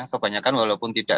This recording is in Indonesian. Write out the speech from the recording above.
kebanyakan walaupun tidak